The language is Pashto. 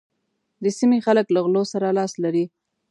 د سيمې خلک له غلو سره لاس لري.